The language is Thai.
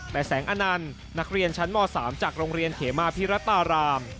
แต่แสงอนันต์นักเรียนชั้นม๓จากโรงเรียนเขมาพิรัตราราม